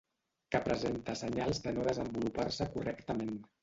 Que presenta senyals de no desenvolupar-se correctament.